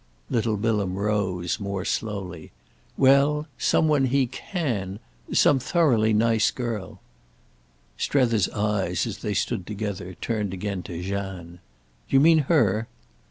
Little Bilham rose more slowly. "Well, some one he can—some thoroughly nice girl." Strether's eyes, as they stood together, turned again to Jeanne. "Do you mean _her?